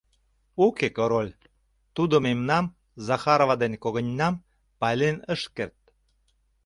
Уке, Король, тудо мемнам, Захарова ден когыньнам, пайлен ыш керт.